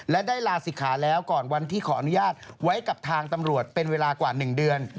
และได้ลาศิกขาแล้วก่อนวันที่ขออนุญาตไว้กับทางตำรวจเป็นเวลากว่า๑เดือน